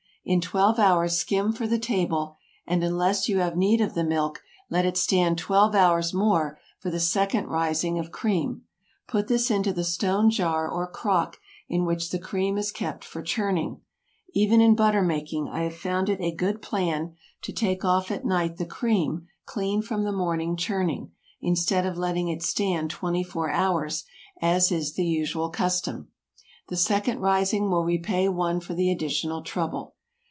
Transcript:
In twelve hours skim for the table, and, unless you have need of the milk, let it stand twelve hours more for the second rising of cream. Put this into the stone jar or crock in which the cream is kept for churning. Even in butter making, I have found it a good plan to take off at night the cream clean from the morning churning, instead of letting it stand twenty four hours, as is the usual custom. The "second rising" will repay one for the additional trouble.